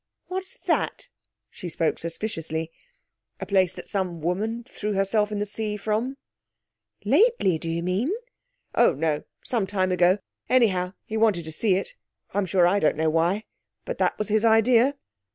'What's that?' She spoke suspiciously. 'A place that some woman threw herself into the sea from.' 'Lately, do you mean?' 'Oh, no some time ago. Anyhow, he wanted to see it I'm sure I don't know why. But that was his idea.'